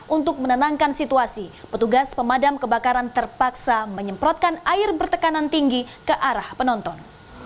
untuk menenangkan situasi petugas pemadam kebakaran terpaksa menyemprotkan air bertekanan tinggi ke arah penonton